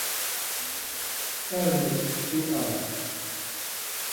Armet seksu-a.